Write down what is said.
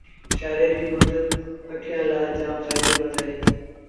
سيٚآري ريٚ مند ميݩ ٻڪريآݩ لآ جآم ڦآئيدي مند اهي